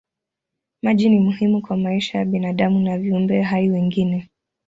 Maji ni muhimu kwa maisha ya binadamu na viumbe hai wengine.